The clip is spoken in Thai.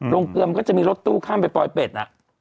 เกลือมันก็จะมีรถตู้ข้ามไปปลอยเป็ดน่ะ